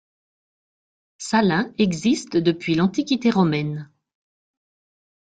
Salins existe depuis l'antiquité romaine.